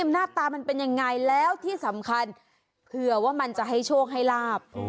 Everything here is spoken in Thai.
หน้าตามันเป็นยังไงแล้วที่สำคัญเผื่อว่ามันจะให้โชคให้ลาบ